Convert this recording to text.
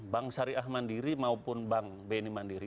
bang syariah mandiri maupun bang bni mandiri